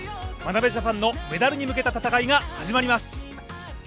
眞鍋ジャパンのメダルに向けた戦いが始まります。